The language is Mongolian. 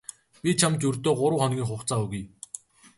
Би чамд ердөө гурав хоногийн хугацаа өгье.